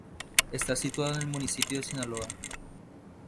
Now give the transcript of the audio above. Está situado en el municipio de Solna.